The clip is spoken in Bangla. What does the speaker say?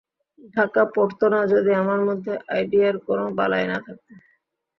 ঢাকা পড়ত না যদি আমার মধ্যে আইডিয়ার কোনো বালাই না থাকত।